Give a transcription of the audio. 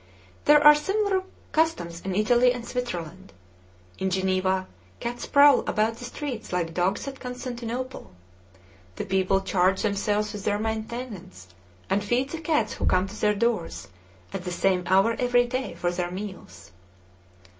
There are similar customs in Italy and Switzerland. In Geneva cats prowl about the streets like dogs at Constantinople. The people charge themselves with their maintenance, and feed the cats who come to their doors at the same hour every day for their meals.